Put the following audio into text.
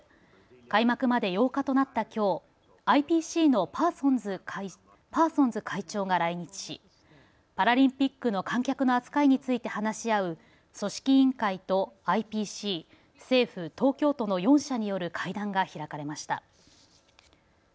開幕まで８日となったきょう、ＩＰＣのパーソンズ会長が来日し、パラリンピックの観客の扱いについて話し合う組織委員会とＩＰＣ、政府、東京都の４者による会談が開かれました。